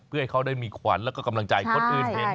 เพื่อให้เขาได้มีขวัญแล้วก็กำลังใจคนอื่นเห็น